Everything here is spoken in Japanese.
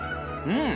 うん！